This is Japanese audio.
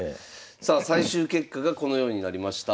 さあ最終結果がこのようになりました。